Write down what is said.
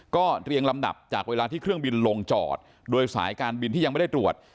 ก็เรียงลำดับจากเวลาที่เครื่องบินลงจอดโดยสายการบินที่ยังไม่ได้ตรวจ